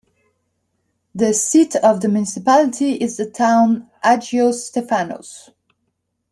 The seat of the municipality is the town Agios Stefanos.